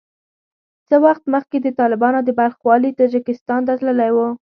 څه وخت مخکې د طالبانو د بلخ والي تاجکستان ته تللی وو